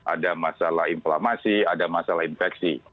ada masalah inflamasi ada masalah infeksi